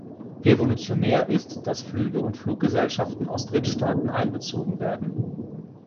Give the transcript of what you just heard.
Revolutionär ist, dass Flüge und Fluggesellschaften aus Drittstaaten einbezogen werden.